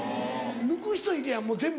抜く人いるやん全部。